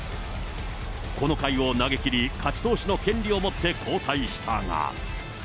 この回を投げきり、勝ち投手の権利を持って交代したが。